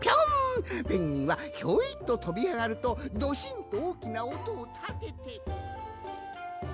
ペンギンはひょいととびあがるとドシンとおおきなおとをたてて。